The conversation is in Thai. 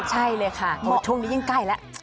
ใช่เลยค่ะช่วงนี้ยิ่งใกล้แล้ว